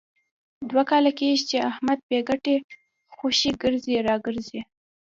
دوه کاله کېږي، چې احمد بې ګټې خوشې ګرځي را ګرځي.